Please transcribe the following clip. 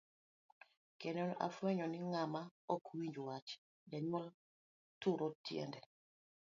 Kendo ne ofwenyo ni ng'ama ok winj wach janyuol, turo tiende .